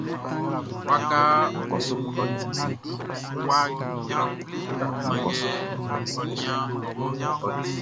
Wakaʼn wʼa jran, sanngɛ ɔ nin a tɔman.